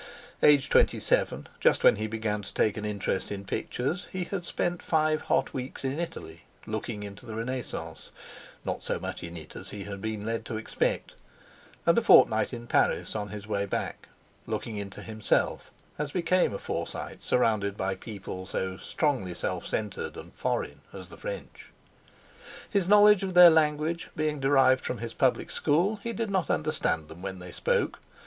Aged twenty seven, just when he began to take interest in pictures, he had spent five hot weeks in Italy, looking into the Renaissance—not so much in it as he had been led to expect—and a fortnight in Paris on his way back, looking into himself, as became a Forsyte surrounded by people so strongly self centred and "foreign" as the French. His knowledge of their language being derived from his public school, he did not understand them when they spoke.